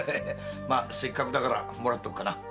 せっかくだからもらっとくか。